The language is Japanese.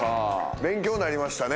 勉強になりましたね。